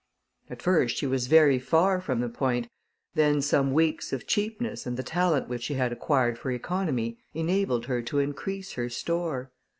At first she was very far from the point, then some weeks of cheapness and the talent which she had acquired for economy enabled her to increase her store.